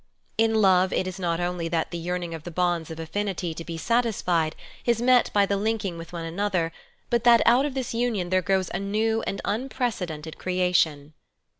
In love it is not only that the yearning of the bonds of affinity to be satisfied is met by the linking with another, but that out of this union there grows a new and unprecedented creation.